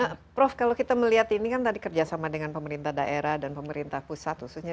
nah prof kalau kita melihat ini kan tadi kerjasama dengan pemerintah daerah dan pemerintah pusat khususnya